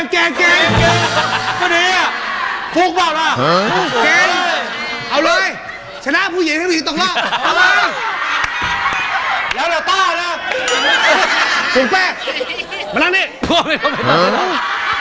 ก็ดีอ่ะพลุกเหรอเอาเลยชนะผู้หญิงให้ผู้หญิงต้องรอแล้วแล้วต้าเนี่ยภูมิแป้งมานั่นเนี่ย